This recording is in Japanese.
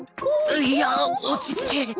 いや落ち着け